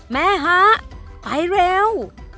แม่ฮะไปเร็ว